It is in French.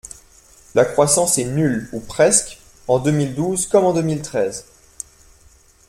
La croissance est nulle, ou presque, en deux mille douze comme en deux mille treize.